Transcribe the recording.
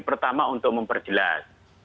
pertama untuk memperjelas